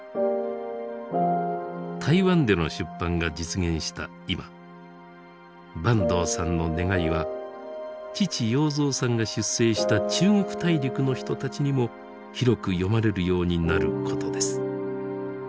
台湾での出版が実現した今坂東さんの願いは父要三さんが出征した中国大陸の人たちにも広く読まれるようになることです。